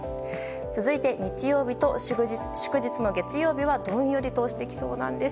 続いて、日曜日と祝日の月曜日はどんよりとしてきそうなんです。